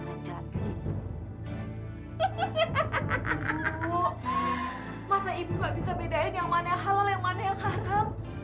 bu masa ibu tidak bisa bedain yang mana yang halal yang mana yang haram